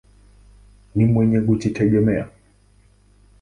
Ni mwenye kujitegemea.